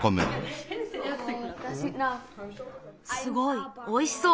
すごいおいしそう。